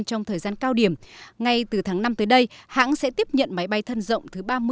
trong thời gian cao điểm ngay từ tháng năm tới đây hãng sẽ tiếp nhận máy bay thân rộng thứ ba mươi